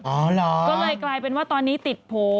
ก็เลยกลายเป็นว่าตอนนี้ติดโผล่